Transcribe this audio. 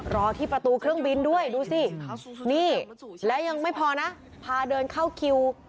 รอที่ประตูเครื่องบินด้วยดูสินี่และยังไม่พอนะพาเดินเข้าคิว